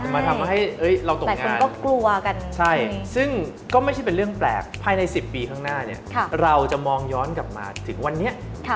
มาทำให้เราตกใจคนก็กลัวกันใช่ซึ่งก็ไม่ใช่เป็นเรื่องแปลกภายใน๑๐ปีข้างหน้าเนี่ยเราจะมองย้อนกลับมาถึงวันนี้